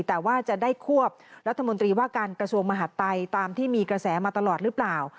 แต่ว่าจะได้ควบรัฐมนตรีว่าการกระทรวงมหาดไทยตามที่มีกระแสมาตลอดหรือเปล่า